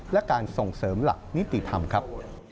และการส่งเสริมหลักนิติธรรมครับ